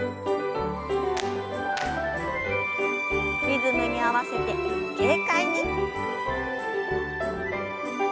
リズムに合わせて軽快に。